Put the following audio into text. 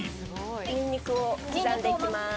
ニンニクを刻んでいきます。